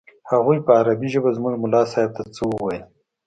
هغوى په عربي ژبه زموږ ملا صاحب ته څه وويل.